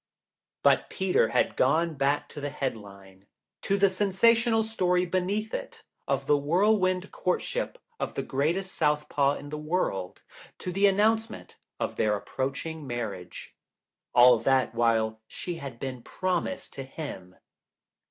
BUT Peter had gone back to the headline. To the sensational story beneath it of the whirlwind courtship by the greatest southpaw in the world. To the announcement of their approaching marriage. All that while she had been promised to him!